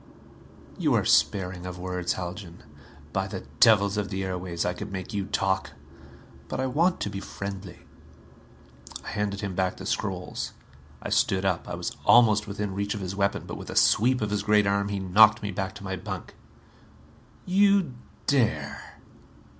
"You are sparing of words, Haljan. By the devils of the airways, I could make you talk! But I want to be friendly." I handed him back the scrolls. I stood up. I was almost within reach of his weapon, but with a sweep of his great arm he knocked me back to my bunk. "You dare?"